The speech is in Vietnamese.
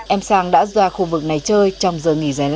em sang đã ra khu vực này chơi trong giờ nghỉ giải lao giữa giờ học